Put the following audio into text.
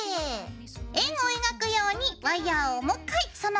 円を描くようにワイヤーをもう１回その穴に入れます。